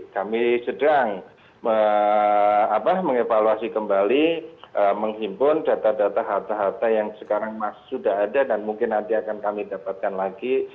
kami sedang mengevaluasi kembali menghimpun data data harta harta yang sekarang sudah ada dan mungkin nanti akan kami dapatkan lagi